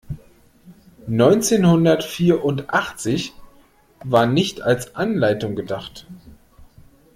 Neunzehnhundertvierundachtzig war nicht als Anleitung gedacht.